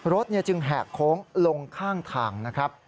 รถจึงแหกโค้งลงข้างทาง